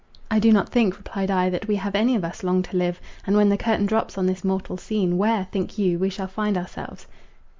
"I do not think," replied I, "that we have any of us long to live; and when the curtain drops on this mortal scene, where, think you, we shall find ourselves?"